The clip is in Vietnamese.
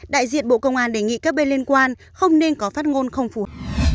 đại diện bộ công an đề nghị các bên liên quan không nên có phát ngôn không phù hợp